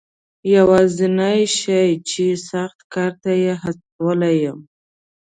یوازنی شی چې سخت کار ته یې هڅولم.